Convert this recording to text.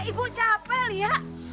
ibu capek lia